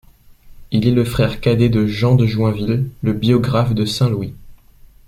Il est le frère cadet de Jean de Joinville, le biographe de Saint Louis.